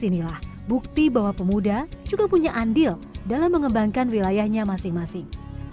inilah bukti bahwa pemuda juga punya andil dalam mengembangkan wilayahnya masing masing